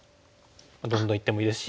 どんどんいってもいいですし。